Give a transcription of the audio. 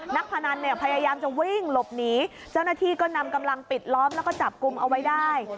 พนันเนี่ยพยายามจะวิ่งหลบหนีเจ้าหน้าที่ก็นำกำลังปิดล้อมแล้วก็จับกลุ่มเอาไว้ได้